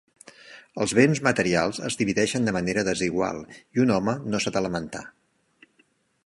Els béns materials es divideixen de manera desigual, i un home no s'ha de lamentar.